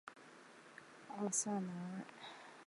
奥萨南岸。